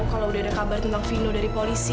kalau udah ada kabar tentang vino dari polisi